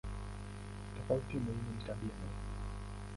Tofauti muhimu ni tabia no.